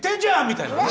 みたいなね。